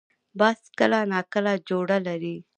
باز کله نا کله جوړه لري